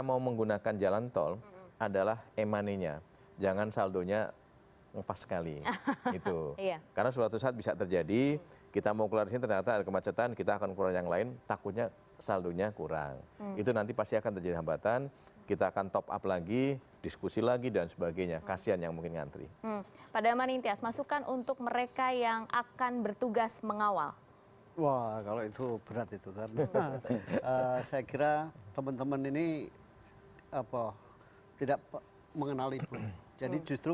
mengawal wah kalau itu berat itu karena saya kira teman teman ini tidak mengenal ibu jadi justru